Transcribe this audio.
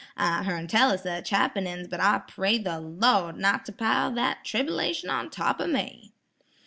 I hern tell o' sech happenin's, but I pray the Lawd not to pile that trib'lation on top o' me."